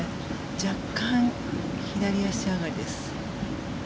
若干、左足上がりです。